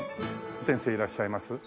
先生いらっしゃいます？